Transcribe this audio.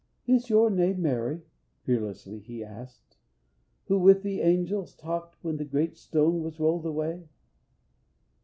"Is your name Mary," fearlessly he asked, "Who with the angels talked when the great stone Was rolled away?